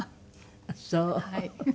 あっそう。